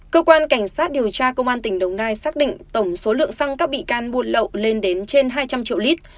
cơ quan cảnh sát điều tra công an tỉnh đồng nai xác định tổng số lượng xăng các bị can buôn lậu lên đến trên hai trăm linh triệu lít